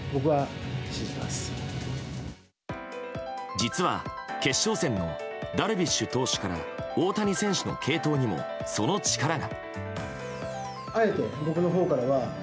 実は決勝戦のダルビッシュ投手から大谷選手の継投にも、その力が。